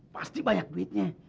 pasti banyak duitnya